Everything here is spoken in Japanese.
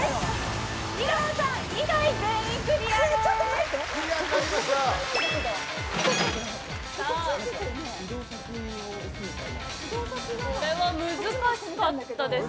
井川さん以外全員クリアです。